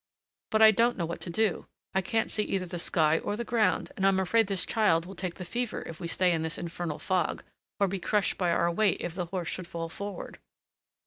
But I don't know what to do. I can't see either the sky or the ground, and I am afraid this child will take the fever if we stay in this infernal fog, or be crushed by our weight if the horse should fall forward."